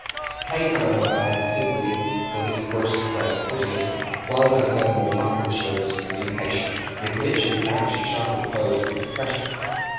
Kate, however, had simply, for this gross way of putting it, one of her more marked shows of impatience; with which in fact she sharply closed their discussion.